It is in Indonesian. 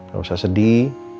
gak usah sedih